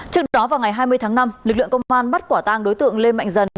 trước đó vào ngày hai mươi tháng năm lực lượng công an bắt quả tang đối tượng lê mạnh dần